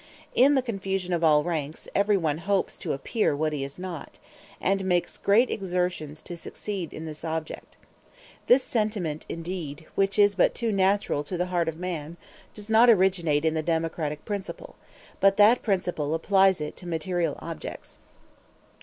In the confusion of all ranks everyone hopes to appear what he is not, and makes great exertions to succeed in this object. This sentiment indeed, which is but too natural to the heart of man, does not originate in the democratic principle; but that principle applies it to material objects.